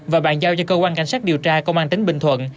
và bàn giao cho cơ quan cảnh sát điều tra công an tỉnh bình thuận